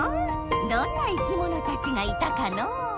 どんないきものたちがいたかのう？